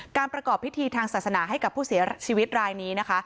ประกอบพิธีทางศาสนาให้กับผู้เสียชีวิตรายนี้นะคะ